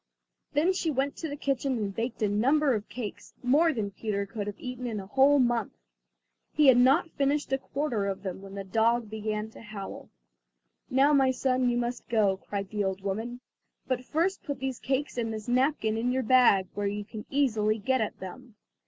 Then she went to the kitchen and baked a number of cakes, more than Peter could have eaten in a whole month. He had not finished a quarter of them, when the dog began to howl. "Now, my son, you must go," cried the old woman "but first put these cakes and this napkin in your bag, where you can easily get at them."